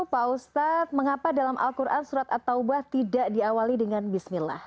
pak ustadz mengapa dalam al quran surat at taubah tidak diawali dengan bismillah